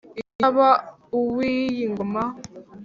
iyo ntaba uw’iyi ngoma